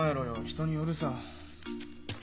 人によるさ。